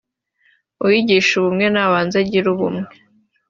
uwigisha ubumwe nabanze agire ubumwe